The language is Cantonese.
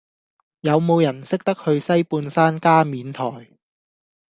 有無人識得去西半山加冕臺